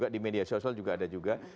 di media sosial juga ada juga